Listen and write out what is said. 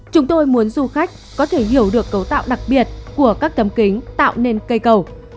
chúng tôi muốn du khách có thể hiểu được cấu tạo đặc biệt của các tấm kính tạo nên cây cầu